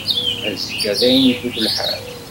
Azekka dayen ifut lḥal.